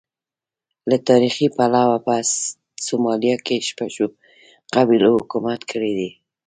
له تاریخي پلوه په سومالیا کې شپږو قبیلو حکومت کړی دی.